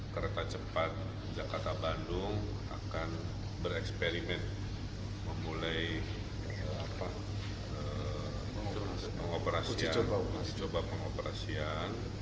kereta cepat jakarta bandung akan bereksperimen memulai pengoperasian